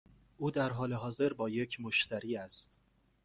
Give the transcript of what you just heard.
او در حال حاضر با یک مشتری است.